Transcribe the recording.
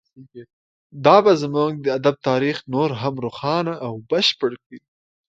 دا به زموږ د ادب تاریخ نور هم روښانه او بشپړ کړي